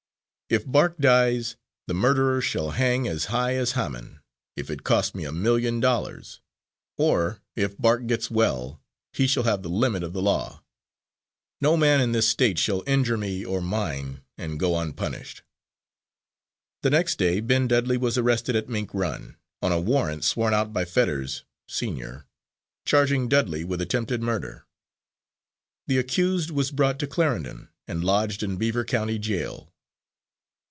If Bark dies, the murderer shall hang as high as Haman, if it costs me a million dollars, or, if Bark gets well, he shall have the limit of the law. No man in this State shall injure me or mine and go unpunished." The next day Ben Dudley was arrested at Mink Run, on a warrant sworn out by Fetters, senior, charging Dudley with attempted murder. The accused was brought to Clarendon, and lodged in Beaver County jail.